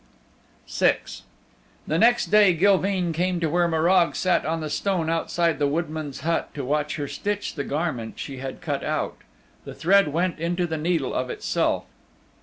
VI The next day Gilveen came to where Morag sat on the stone outside the woodman's hut to watch her stitch the garment she had cut out. The thread went into the needle of itself.